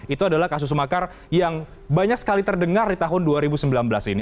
itu adalah kasus makar yang banyak sekali terdengar di tahun dua ribu sembilan belas ini